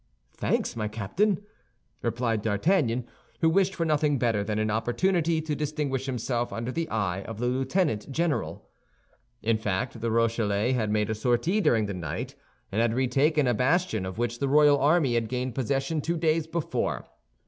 "Thanks, my captain!" replied D'Artagnan, who wished for nothing better than an opportunity to distinguish himself under the eye of the lieutenant general. In fact the Rochellais had made a sortie during the night, and had retaken a bastion of which the royal army had gained possession two days before.